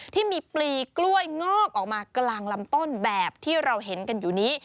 ที่มีปลีกล้วยงอกออกมากลางลำต้นแบบที่เราเห็นกันอยู่นี้